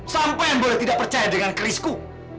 sampean boleh tidak percaya dengan kerisku